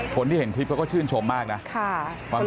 คนที่เห็นคลิปเขาก็ชื่นชมมากนะ